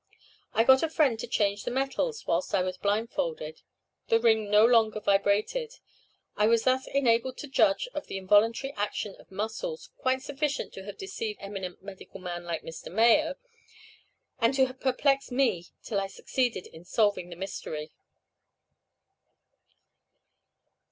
I got a friend to change the metals whilst I was blindfolded the ring no longer vibrated. I was thus enabled to judge of the involuntary action of muscles, quite sufficient to have deceived an eminent medical man like Mr. Mayo, and to have perplexed me till I succeeded in solving the mystery.